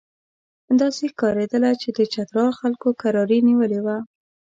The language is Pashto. داسې ښکارېدله چې د چترال خلکو کراري نیولې وه.